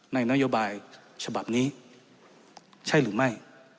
นโยบายฉบับนี้ใช่หรือไม่